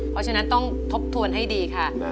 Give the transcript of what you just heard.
เพราะฉะนั้นต้องทบทวนให้ดีค่ะ